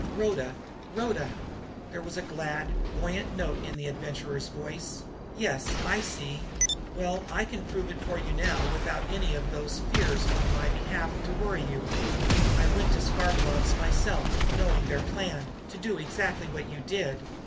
"Rhoda! Rhoda!" There was a glad, buoyant note in the Adventurer's voice. "Yes, I see! Well, I can prove it for you now without any of those fears on my behalf to worry you! I went to Skarbolov's myself, knowing their plans, to do exactly what you did.